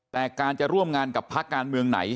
แต่การจะร่วมงานกับภาคการเมืองไหน